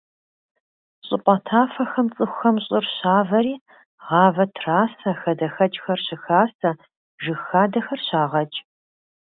ЩӀыпӀэ тафэхэм цӀыхухэм щӀыр щавэри гъавэ трасэ, хадэхэкӀхэр щыхасэ, жыг хадэхэр щагъэкӀ.